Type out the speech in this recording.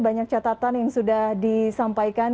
banyak catatan yang sudah disampaikan